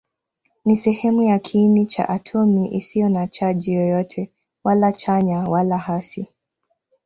Ni sehemu ya kiini cha atomi isiyo na chaji yoyote, wala chanya wala hasi.